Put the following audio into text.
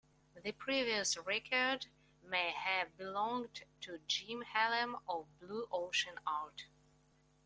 The previous record may have belonged to Jim Hellemn of Blue Ocean Art.